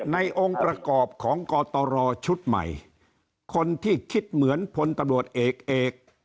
องค์ประกอบของกตรชุดใหม่คนที่คิดเหมือนพลตำรวจเอกเอก